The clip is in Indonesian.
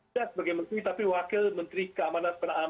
tidak sebagai menteri tapi wakil menteri keamanan